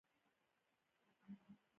د وینې د صحتمندو سرو حجرو په تولید